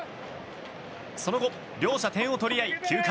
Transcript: その後、両者点を取り合い９回。